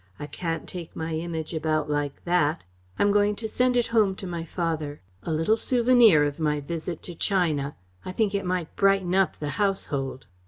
I can't take my Image about like that. I'm going to send it home to my father a little souvenir of my visit to China. I think it might brighten up the household."